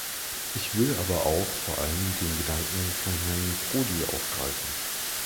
Ich will aber auch vor allem den Gedanken von Herrn Prodi aufgreifen.